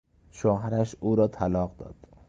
شوهرش او را طلاق داد.